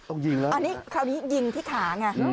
อันนี้คราวนี้ยิงที่ขาไง